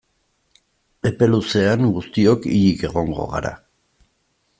Epe luzean guztiok hilik egongo gara.